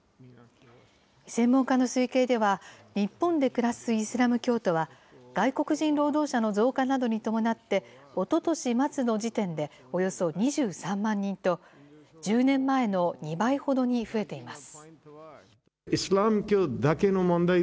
専門家の推計では、日本で暮らすイスラム教徒は、外国人労働者の増加などに伴っておととし末の時点でおよそ２３万人と、１０年前の２倍ほどに増えています。